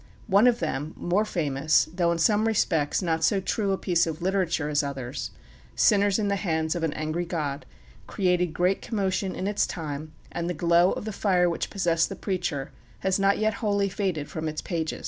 One of them, more famous, though in some respects not so true a piece of literature as others, "Sinners in the Hands of an Angry God," created great commotion in its time, and the glow of the fire which possessed the preacher has not yet wholly faded from its pages.